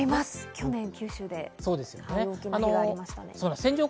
去年九州でありましたね。